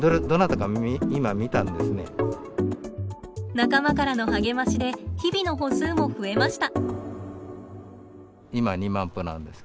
仲間からの励ましで日々の歩数も増えました。